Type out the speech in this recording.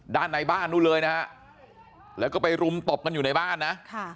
ด้านในบ้านนู้นเลยนะฮะแล้วก็ไปรุมตบกันอยู่ในบ้านนะ